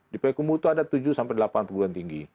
di pak hekumbu itu ada tujuh delapan perguruan tinggi